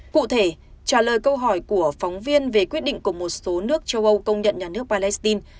cụ thể trả lời câu hỏi của phóng viên về quyết định của một số nước châu âu công nhận nhà nước palestine